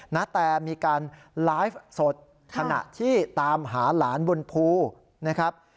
นาแตมีการไลฟ์สดขณะที่ตามหาหลานบนภูนะครับ